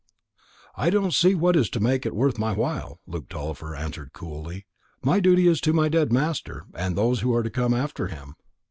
"I don't see what is to make it worth my while," Luke Tulliver answered coolly. "My duty is to my dead master, and those that are to come after him.